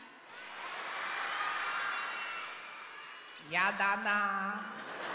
やだなぁ。